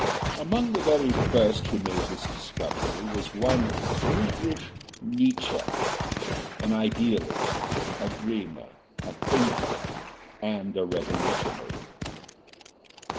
Among the very first who made this discovery was one Friedrich Nietzsche, an idealist, a dreamer, a thinker, and a revolutionary.